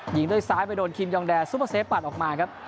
ยิงด้วยซ้ายไปโดนคิมยองแอร์ซุปเปอร์เซฟปัดออกมาครับ